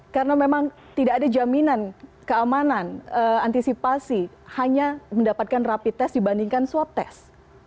karena memang tidak ada jaminan keamanan antisipasi hanya mendapatkan rapid test dibandingkan swab test